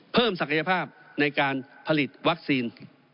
ศักยภาพในการผลิตวัคซีน